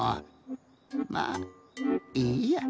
まあいいや。